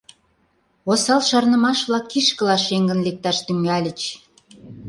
Осал шарнымаш-влак кишкыла шеҥын лекташ тӱҥальыч.